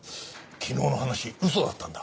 昨日の話嘘だったんだ。